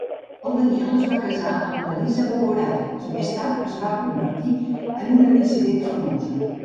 El Daniel es va casar amb Larisa Bogoraz, qui, més tard, es va convertir en una dissident famosa.